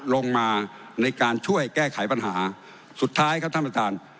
ลงมาในการช่วยแก้ไขปัญหาสุดท้ายครับท่านประธาน